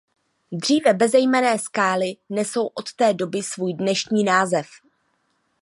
Dříve bezejmenné skály nesou od té doby svůj dnešní název.